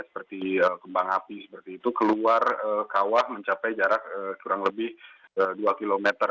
seperti kembang api seperti itu keluar kawah mencapai jarak kurang lebih dua km